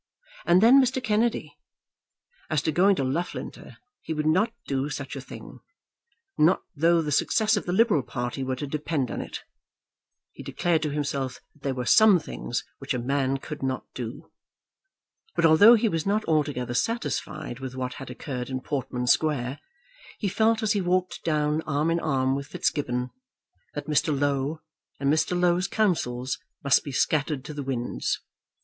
And then Mr. Kennedy! As to going to Loughlinter, he would not do such a thing, not though the success of the liberal party were to depend on it. He declared to himself that there were some things which a man could not do. But although he was not altogether satisfied with what had occurred in Portman Square, he felt as he walked down arm in arm with Fitzgibbon that Mr. Low and Mr. Low's counsels must be scattered to the winds.